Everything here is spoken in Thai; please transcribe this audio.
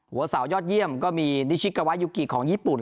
หัวสาวยอดเยี่ยมก็มีนิชิกาวายูกิของญี่ปุ่น